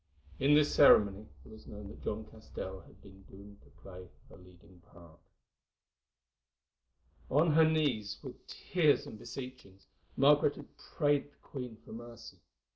In this ceremony it was known that John Castell had been doomed to play a leading part. On her knees, with tears and beseechings, Margaret had prayed the queen for mercy.